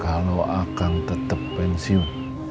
kalau akang tetep pensiun